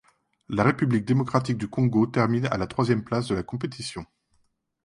La République Démocratique du Congo termine à la troisième place de la compétition.